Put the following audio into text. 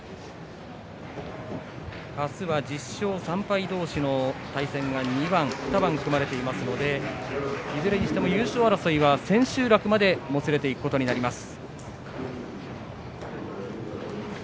明日は１０勝同士の対戦が２番、組まれていますのでいずれにせよ優勝争いは千秋楽までもつれていくというなります。